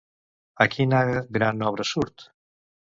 A quina gran obra surt?